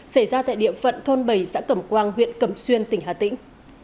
xảy ra tại địa phận thôn bảy xã cẩm quang huyện cẩm xuyên tỉnh hà tĩnh